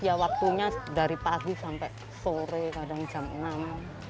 ya waktunya dari pagi sampai sore kadang jam enam